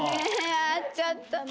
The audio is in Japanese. やっちゃったな。